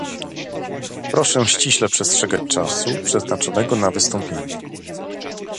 Proszę ściśle przestrzegać czasu przeznaczonego na wystąpienie